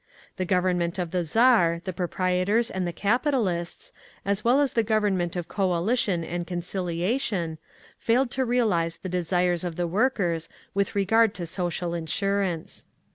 The Government of the Tsar, the proprietors and the capitalists, as well as the Government of coalition and conciliation, failed to realise the desires of the workers with regard to Social Insurance.